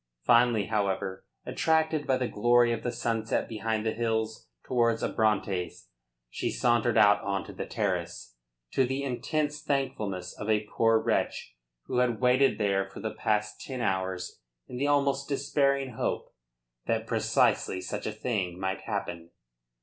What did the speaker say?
Finally, however, attracted by the glory of the sunset behind the hills towards Abrantes, she sauntered out on to the terrace, to the intense thankfulness of a poor wretch who had waited there for the past ten hours in the almost despairing hope that precisely such a thing might happen.